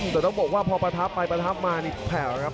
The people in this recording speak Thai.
แต่ต้องบอกว่าพอประทับไปประทับมานี่แผ่วนะครับ